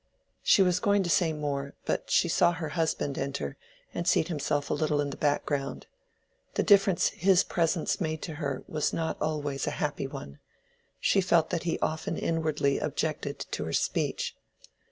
She was going to say more, but she saw her husband enter and seat himself a little in the background. The difference his presence made to her was not always a happy one: she felt that he often inwardly objected to her speech.